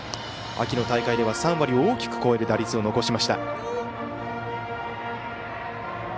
秋の大会では３割を大きく超える打率を残しました。